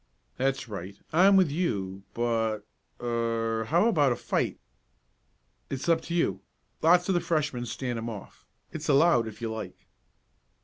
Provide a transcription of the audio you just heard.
"That's right. I'm with you but er how about a fight?" "It's up to you. Lots of the Freshmen stand 'em off. It's allowed if you like."